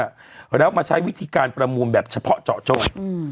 แล้วมาใช้วิธีการประมูลแบบเฉพาะเจาะโจ้อืม